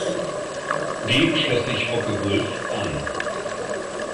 Dem schloss sich Focke-Wulf an.